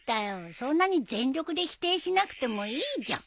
そんなに全力で否定しなくてもいいじゃん。